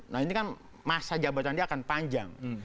nah ini kan masa jabatan dia akan panjang